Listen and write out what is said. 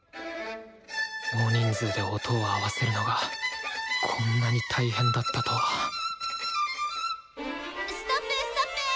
大人数で音を合わせるのがこんなに大変だったとはストップストップ！